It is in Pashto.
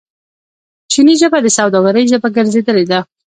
چیني ژبه د سوداګرۍ ژبه ګرځیدلې ده.